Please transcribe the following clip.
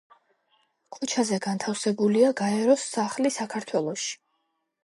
ქუჩაზე განთავსებულია გაეროს სახლი საქართველოში.